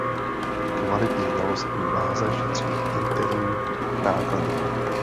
Kvalitní znalostní báze šetří interní náklady.